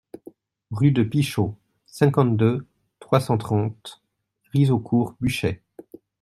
Rue de Pichot, cinquante-deux, trois cent trente Rizaucourt-Buchey